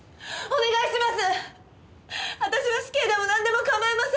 お願いします！